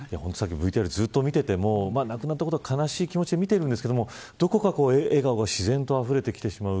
ＶＴＲをずっと見ていても亡くなったことは悲しい気持ちで見てるんですがどこか笑顔が自然とあふれてきてしまう。